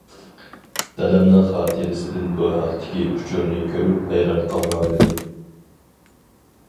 دادامنىڭ خاتىرىسىدىن بۇ ھەقتىكى ئۇچۇرنى كۆرۈپ ھەيران قالغانىدىم.